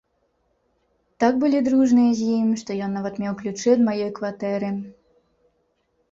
Так былі дружныя з ім, што ён нават меў ключы ад маёй кватэры.